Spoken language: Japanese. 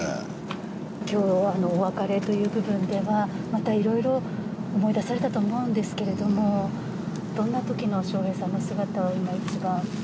今日、お別れという部分ではまた色々、思い出されたと思うんですけどもどんな時の笑瓶さんの姿を一番？